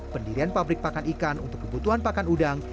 pendirian pabrik pakan ikan untuk kebutuhan pakan udang